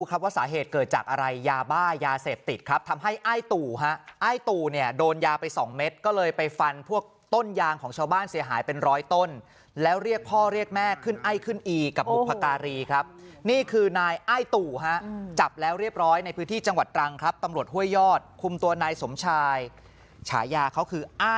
ครับว่าสาเหตุเกิดจากอะไรยาบ้ายาเสพติดครับทำให้อ้ายตู่ฮะอ้ายตู่เนี่ยโดนยาไปสองเม็ดก็เลยไปฟันพวกต้นยางของชาวบ้านเสียหายเป็นร้อยต้นแล้วเรียกพ่อเรียกแม่ขึ้นไอ้ขึ้นอีกับบุพการีครับนี่คือนายอ้ายตู่ฮะจับแล้วเรียบร้อยในพื้นที่จังหวัดตรังครับตำรวจห้วยยอดคุมตัวนายสมชายฉายาเขาคืออ